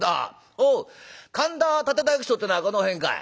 おう神田竪大工町ってのはこの辺かい？」。